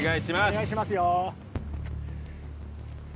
お願いしますよ。